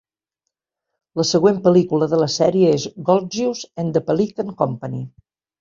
La següent pel·lícula de la sèrie és "Goltzius and the Pelican Company".